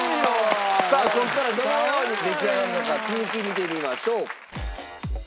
さあここからどのように出来上がるのか続き見てみましょう。